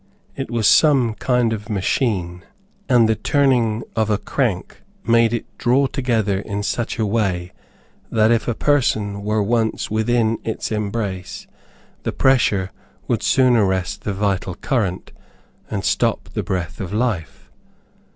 It was some kind of a machine, and the turning of a crank made it draw together in such a way, that if a person were once within its embrace, the pressure would soon arrest the vital current, and stop the breath of life.